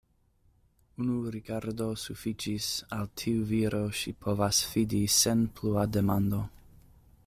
Unu rigardo sufiĉis: al tiu viro ŝi povas fidi sen plua demando.